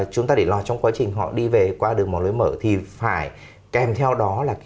chúng ta để lo trong quá trình họ đi về qua đường mòn lối mở thì phải kèm theo đó là